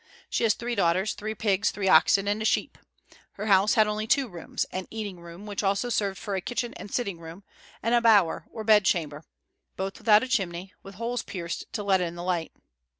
She has three daughters, three pigs, three oxen, and a sheep. Her house had only two rooms, an eating room, which also served for a kitchen and sitting room, and a bower or bedchamber, both without a chimney, with holes pierced to let in the light.